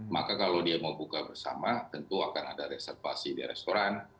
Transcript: maka kalau dia mau buka bersama tentu akan ada reservasi di restoran